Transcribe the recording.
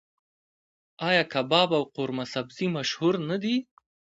آیا کباب او قورمه سبزي مشهور نه دي؟